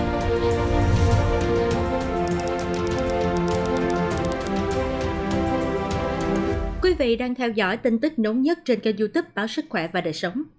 thưa quý vị đang theo dõi tin tức nóng nhất trên kênh youtube báo sức khỏe và đời sống